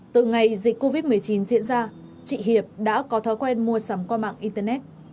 từ ngày dịch covid một mươi chín diễn ra chị hiệp đã có thói quen mua sắm qua mạng internet